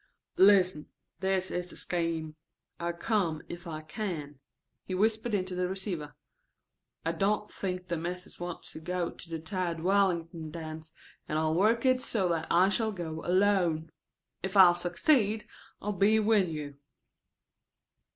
"Listen. This is the scheme. I'll come if I can," he whispered into the receiver. "I don't think the Mis'es wants to go to the Tad Wallington dance, and I'll work it so that I shall go alone. If I succeed I'll be with you."